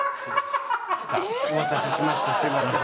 お待たせしましたすみません。